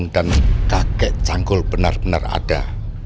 ntar kadang aku masih penasaran